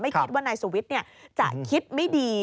ไม่คิดว่านายสวิทธิ์จะคิดไม่ดี